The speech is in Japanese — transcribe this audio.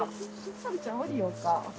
・はるちゃん降りようか？